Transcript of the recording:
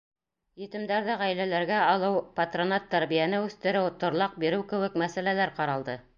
Етемдәрҙе ғаиләләргә алыу, патронат тәрбиәне үҫтереү, торлаҡ биреү кеүек мәсьәләләр ҡаралды.